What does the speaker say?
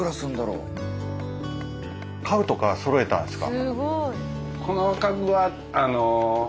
家具とかそろえたんですか？